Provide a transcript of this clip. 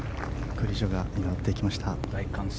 グリジョが打っていきました。